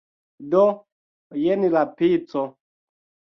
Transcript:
Do, jen la pico